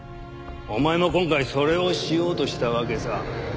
お前も今回それをしようとしたわけさ。